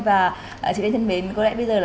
và chị lê nhân bến có lẽ bây giờ là